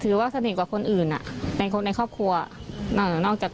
แต่ว่าตั้งแต่จากคนนี้มาเขาก็ไม่ได้